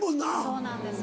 そうなんですよ。